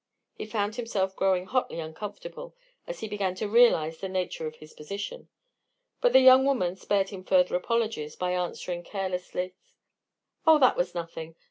He found himself growing hotly uncomfortable as he began to realize the nature of his position, but the young woman spared him further apologies by answering, carelessly: "Oh, that was nothing.